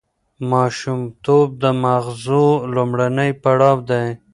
ماشومتوب د ماغزو لومړنی پړاو دی.